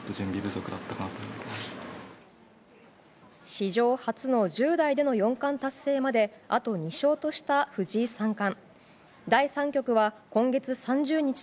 史上初の１０代での四冠達成まであと２勝とした藤井三冠。